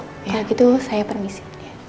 kalau gitu saya permisi